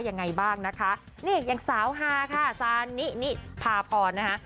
คุณผู้ชมนะคะนี่ยังสาวฮาค่ะซานินิพาพรนะคะ